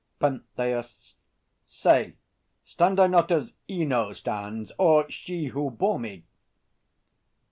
PENTHEUS. Say; stand I not as Ino stands, or she Who bore me?